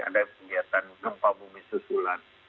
ada kegiatan gempa bumi susulan